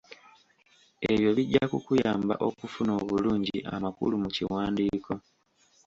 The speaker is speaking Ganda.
Ebyo bijja kukuyamba okufuna obulungi amakulu mu kiwandiiko.